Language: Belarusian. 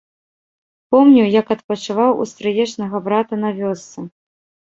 Помню, як адпачываў у стрыечнага брата на вёсцы.